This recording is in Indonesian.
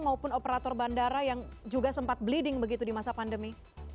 maupun operator bandara yang juga sempat bleeding begitu di masa pandemi